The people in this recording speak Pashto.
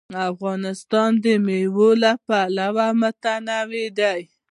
افغانستان د مېوې له پلوه متنوع دی.